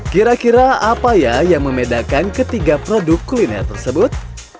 kira kira apa ya yang membedakan ketiga produk kuliner tersebut